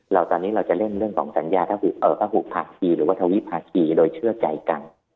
เราจะเล่นเรื่องโปรงสัญญาที่วัฒวิธีภาษีโดยเชื่อใจกัน